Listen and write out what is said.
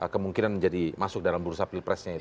kemungkinan jadi masuk dalam bursa pilpres